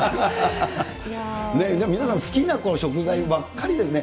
でも皆さん、好きな食材ばっかりですね。